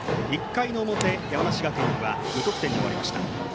１回の表、山梨学院は無得点に終わりました。